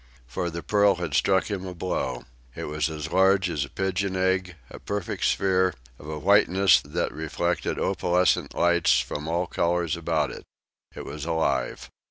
For the pearl had struck him a blow. It was large as a pigeon egg, a perfect sphere, of a whiteness that reflected opalescent lights from all colors about it. It was alive.